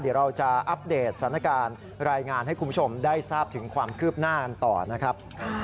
เดี๋ยวเราจะอัปเดตสถานการณ์รายงานให้คุณผู้ชมได้ทราบถึงความคืบหน้ากันต่อนะครับ